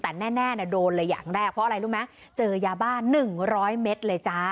แต่แน่โดนเลยอย่างแรกเพราะอะไรรู้ไหมเจอยาบ้า๑๐๐เมตรเลยจ้า